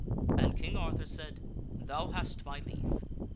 And King Arthur said, " Thou hast my leave."